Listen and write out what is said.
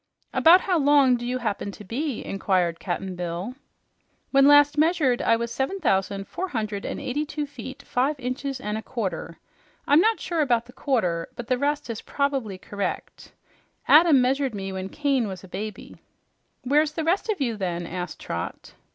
"About how long do you happen to be?" inquired Cap'n Bill. "When last measured, I was seven thousand four hundred and eighty two feet, five inches and a quarter. I'm not sure about the quarter, but the rest is probably correct. Adam measured me when Cain was a baby." "Where's the rest of you, then?" asked Trot.